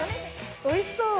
おいしそう！